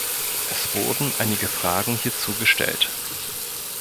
Es wurden einige Fragen hierzu gestellt.